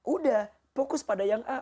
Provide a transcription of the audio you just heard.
udah fokus pada yang a